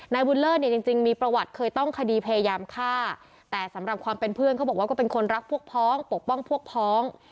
บุญเลิศเนี่ยจริงมีประวัติเคยต้องคดีพยายามฆ่าแต่สำหรับความเป็นเพื่อนเขาบอกว่าก็เป็นคนรักพวกพ้องปกป้องพวกพ้อง